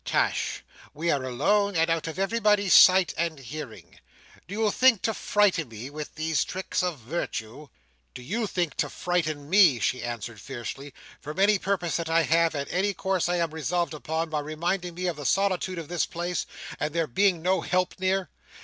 Tush, we are alone, and out of everybody's sight and hearing. Do you think to frighten me with these tricks of virtue?" "Do you think to frighten me," she answered fiercely, "from any purpose that I have, and any course I am resolved upon, by reminding me of the solitude of this place, and there being no help near?